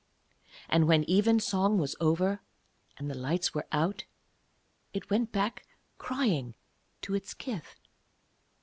And when evensong was over and the lights were out, it went back crying to its kith.